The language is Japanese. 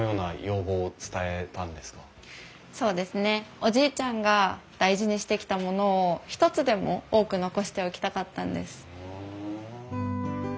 おじいちゃんが大事にしてきたものを一つでも多く残しておきたかったんです。